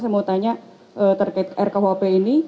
saya mau tanya terkait rkuhp ini